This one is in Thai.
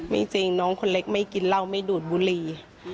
จริงน้องคนเล็กไม่กินเหล้าไม่ดูดบุหรี่